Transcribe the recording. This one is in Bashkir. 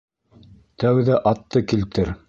Тәүҙә атты килтер!